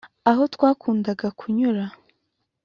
aho twakundaga kunyura